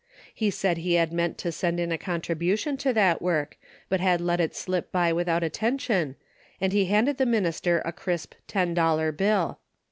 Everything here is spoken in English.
He said he had meant to send in a contribution to that work, but had let it slip by without attention, and he handed the minister a crisp ten dollar bill.